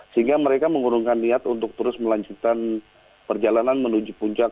sehingga mereka mengurungkan niat untuk terus melanjutkan perjalanan menuju puncak